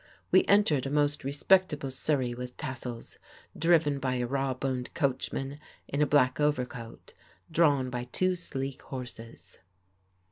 We entered a most respectable surrey with tassels, driven by a raw boned coachman in a black overcoat, drawn by two sleek horses.